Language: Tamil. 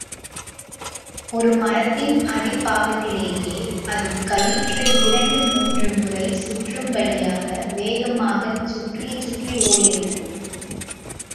ஒரு மரத்தின் அடிப்பாகத்திலே அது கயிற்றை இரண்டு மூன்று முறை சுற்றும்படியாக வேகமாகச் சுற்றி சுற்றி ஓடியது.